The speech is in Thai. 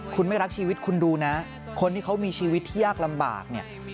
คุณไม่รักชีวิตคุณดูนะคนที่เขามีชีวิตที่ยากลำบากเนี่ย